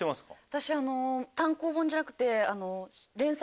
私単行本じゃなくて。